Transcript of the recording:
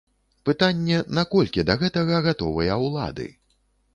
Пытанне, наколькі да гэтага гатовыя ўлады.